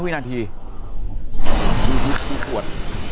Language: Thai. ๔๕วินาทีดูทุกขวด